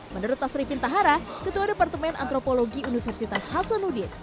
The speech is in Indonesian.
menurut tasri fintahara ketua departemen antropologi universitas hasanudin